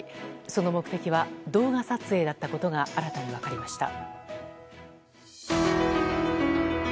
その目的は動画撮影だったことが新たに分かりました。